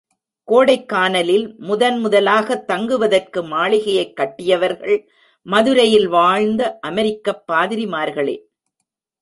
கோடைக்கானலில் முதன் முதலாகத் தங்குவதற்கு மாளிகையைக் கட்டியவர்கள், மதுரையில் வாழ்ந்த அமெரிக்கப் பாதிரிமார்களே.